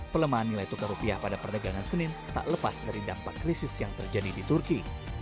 pelemahan nilai tukar rupiah pada perdagangan senin tak lepas dari dampak krisis yang terjadi di turki